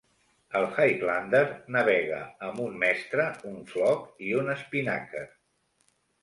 El "Highlander" navega amb un mestre, un floc i un espinàquer.